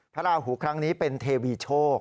พระราหูครั้งนี้เป็นเทวีโชค